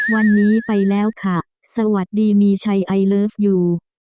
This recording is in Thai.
วันนี้ไปแล้วค่ะสวัสดีมีชัยไอเลิฟยู